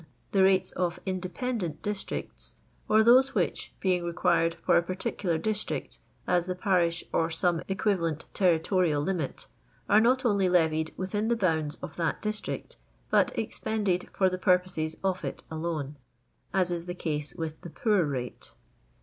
The rates of independent districts, or those which, being required for a particular district (as the parish or some equivalent territorial limit), are not only levied within the bounds of that district, but expended for the purposes of it alone ; as is the case with the poor rate.